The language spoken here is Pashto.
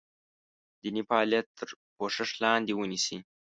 دیني فعالیت تر پوښښ لاندې ونیسي.